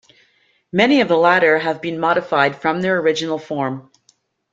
Many of the latter have been modified from their original form.